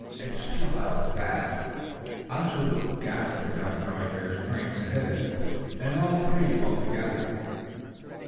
It still held fast! Ossaroo and Caspar now joined their strength to his; and all three pulled together.